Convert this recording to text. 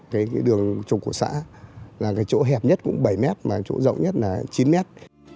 cái đường trục của xã là cái chỗ hẹp nhất cũng bảy mét mà chỗ rộng nhất là chín mét